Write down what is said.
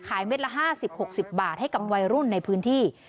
เม็ดละ๕๐๖๐บาทให้กับวัยรุ่นในพื้นที่